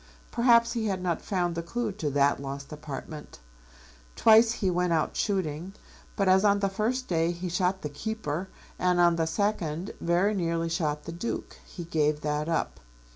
Perhaps he had not found the clue to that lost apartment. Twice he went out shooting, but as on the first day he shot the keeper, and on the second very nearly shot the Duke, he gave that up.